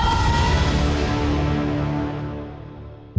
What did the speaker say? ตอบตอบตอบ